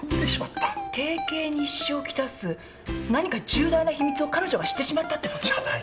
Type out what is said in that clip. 提携に支障をきたす何か重大な秘密を彼女が知ってしまったってこと？じゃないでしょうか。